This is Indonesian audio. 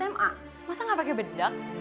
masa gak pake bedak